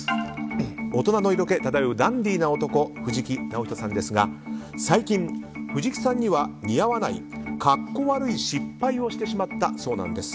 大人の色気漂うダンディーな男藤木直人さんですが最近藤木さんには似合わない格好悪い失敗をしてしまったそうなんです。